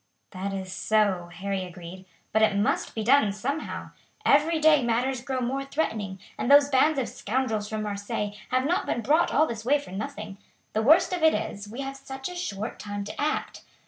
"That is so," Harry agreed; "but it must be done somehow. Every day matters grow more threatening, and those bands of scoundrels from Marseilles have not been brought all this way for nothing. The worst of it is, we have such a short time to act.